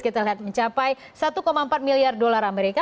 kita lihat mencapai satu empat miliar dolar amerika